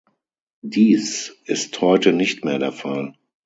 Dies ist heute nicht mehr der Fall.